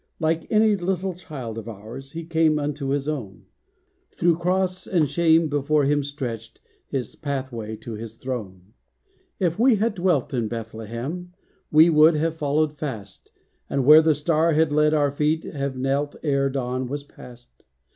Like any little child of ours, He came unto His own, Through Cross and shame before Him stretched, His pathway to His Throne. If we had dwelt in Bethlehem, We would have followed fast, And where the Star had led our feet Have knelt ere dawn was past.